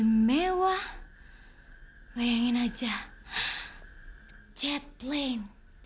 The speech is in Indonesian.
temen tuh pak buat casting